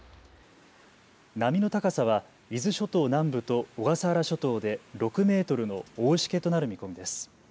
波の高さは伊豆諸島南部と小笠原諸島で６メートルの大しけとなる見込みです。